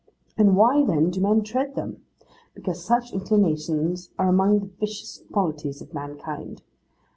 And why, then, do men tread them? Because such inclinations are among the vicious qualities of mankind.